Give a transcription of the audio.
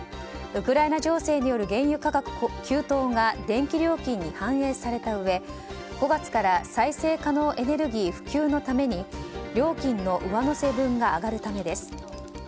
ウクライナ情勢による原油価格急騰が電気料金に反映されたうえ５月から再生可能エネルギー普及のために料金の上乗せ分が上がるためです。